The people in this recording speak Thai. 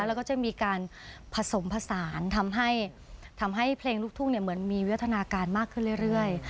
แล้วก็จะมีการผสมผสานทำให้เพลงลูกทุ่งเหมือนมีวิวัฒนาการมากขึ้นเรื่อย